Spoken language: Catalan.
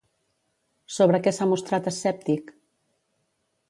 Sobre què s'ha mostrat escèptic?